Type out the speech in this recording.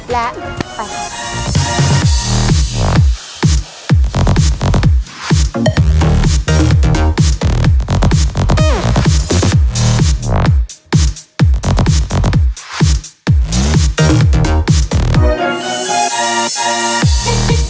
และไป